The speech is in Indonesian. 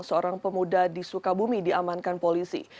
seorang pemuda di sukabumi diamankan polisi